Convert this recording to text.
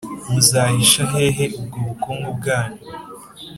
muzahisha hehe ubwo bukungu bwanyu?